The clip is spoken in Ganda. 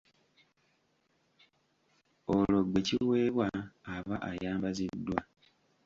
Olwo gwe kiweebwa aba ayambaziddwa.